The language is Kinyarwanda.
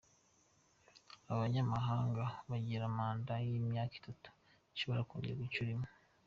Aba banyamabanga bagira manda y’imyaka itatu ishobora kongerwa inshuro imwe.